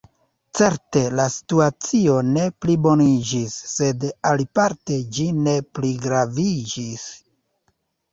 Certe la situacio ne pliboniĝis; sed aliparte ĝi ne pligraviĝis.